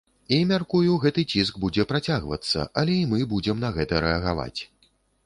І, мяркую, гэты ціск будзе працягвацца, але і мы будзем на гэта рэагаваць.